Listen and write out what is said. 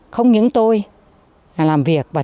không những tôi là làm việc